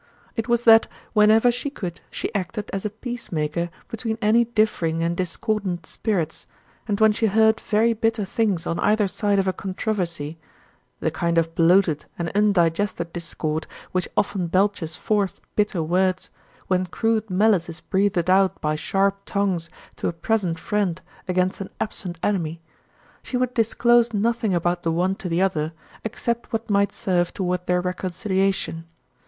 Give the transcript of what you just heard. It was that whenever she could she acted as a peacemaker between any differing and discordant spirits, and when she heard very bitter things on either side of a controversy the kind of bloated and undigested discord which often belches forth bitter words, when crude malice is breathed out by sharp tongues to a present friend against an absent enemy she would disclose nothing about the one to the other except what might serve toward their reconciliation.